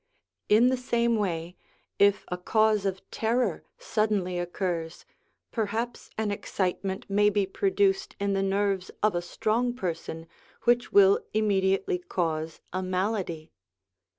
In the same way, if a cause of terror suddenly occurs, perhaps an excitement may be produced in the nerves of a strong person, which will immediately cause a malady.